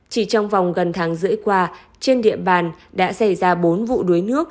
chỉ trong vòng gần tháng rưỡi qua trên địa bàn đã xảy ra bốn vụ đuối nước